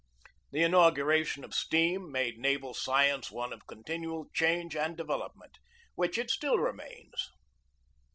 The in 40 GEORGE DEWEY auguration of steam made naval science one of con tinual change and development, which it still re mains.